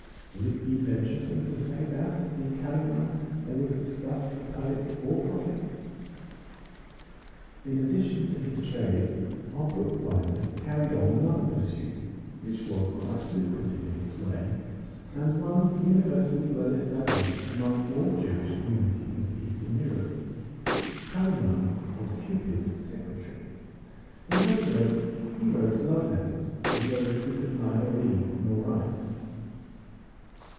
Would it be venturesome to say that in Kalimann there was the stuff for poet or prophet? In addition to his trade, our bookbinder carried on another pursuit which was quite lucrative in its way, and one universally well established among all Jewish communities of Eastern Europe. Kalimann was Cupid's secretary: in other words, he wrote love letters for those who could neither read nor write.